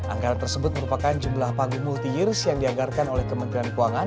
anggaran tersebut merupakan jumlah panggung multi years yang dianggarkan oleh kementerian keuangan